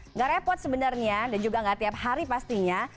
nggak repot sebenarnya dan juga nggak tiap hari pastinya